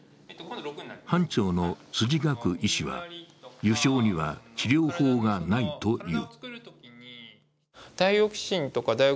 班長の辻学医師は、油症には治療法がないと言う。